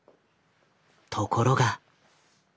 ところが。